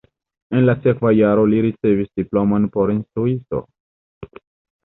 En la sekva jaro li ricevis diplomon por instruisto.